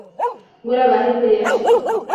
গোরা বাহির হইয়া আসিল।